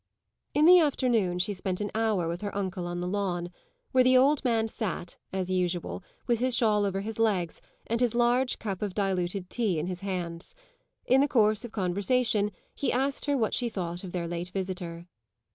In the afternoon she spent an hour with her uncle on the lawn, where the old man sat, as usual, with his shawl over his legs and his large cup of diluted tea in his hands. In the course of conversation he asked her what she thought of their late visitor.